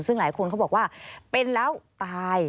ซึ่งหลายคนเขาบอกว่าเป็นแล้วตาย